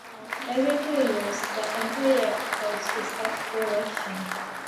Every two years, the entire House is up for election.